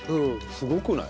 すごくない？